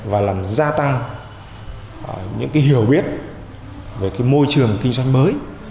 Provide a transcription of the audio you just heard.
và làm gia tăng những hiểu biết về môi trường kinh doanh mới